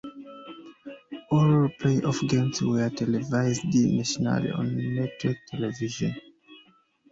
All playoff games were televised nationally on network television.